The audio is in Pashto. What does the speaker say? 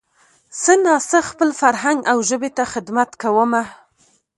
څه نا څه خپل فرهنګ او ژبې ته خدمت کومه